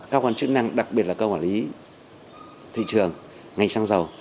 các cơ quan chức năng đặc biệt là cơ quan lý thị trường ngành xăng dầu